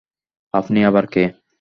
আপনি আবার কে?